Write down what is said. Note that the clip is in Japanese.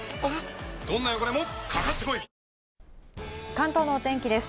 関東のお天気です。